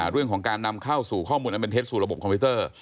เรื่องของการนำเข้าสู่ข้อมูลอันเป็นเท็จสู่ระบบคอมพิวเตอร์